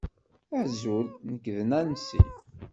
Azul, nekk d Nancy.